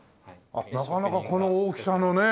なかなかこの大きさのね。